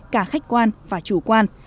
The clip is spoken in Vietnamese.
cả khách quan và chủ quan